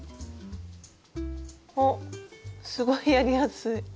あっすごいやりやすい。